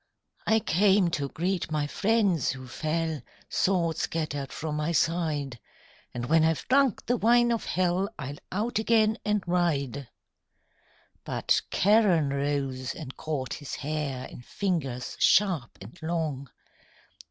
"I came to greet my friends who fell Sword scattered from my side; And when I've drunk the wine of Hell I'll out again and ride!" But Charon rose and caught his hair In fingers sharp and long.